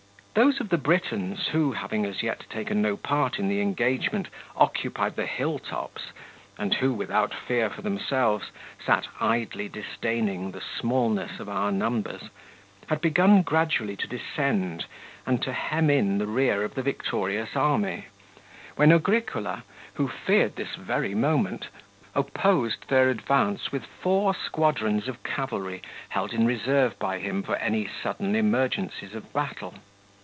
37 Those of the Britons who, having as yet taken no part in the engagement, occupied the hill tops, and who without fear for themselves sat idly disdaining the smallness of our numbers, had begun gradually to descend and to hem in the rear of the victorious army, when Agricola, who feared this very moment, opposed their advance with four squadrons of cavalry held in reserve by him for any sudden emergencies of battle.